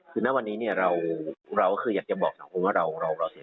คือในวันนี้เราคืออยากจะบอกคุณว่าเราเสียใจ